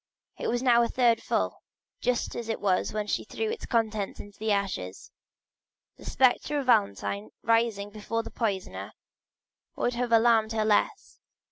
It was now a third full, just as it was when she threw the contents into the ashes. The spectre of Valentine rising before the poisoner would have alarmed her less.